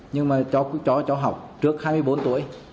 nhưng mà cho học trước hai mươi bốn tuổi